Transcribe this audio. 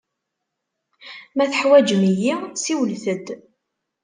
Ma teḥwaǧem-iyi, siwlet-d.